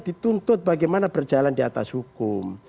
dituntut bagaimana berjalan di atas hukum